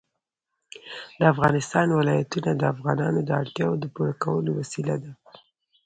د افغانستان ولايتونه د افغانانو د اړتیاوو د پوره کولو وسیله ده.